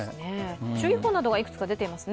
注意報などがいくつか出てますね。